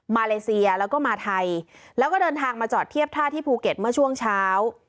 เลเซียแล้วก็มาไทยแล้วก็เดินทางมาจอดเทียบท่าที่ภูเก็ตเมื่อช่วงเช้า